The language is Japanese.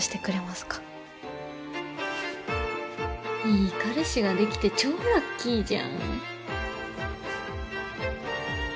いい彼氏ができて超ラッキーじゃん。